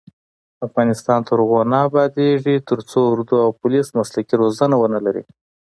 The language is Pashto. افغانستان تر هغو نه ابادیږي، ترڅو اردو او پولیس مسلکي روزنه ونه لري.